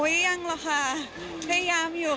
อุ๊ยยังหรอกค่ะพยายามอยู่ค่ะ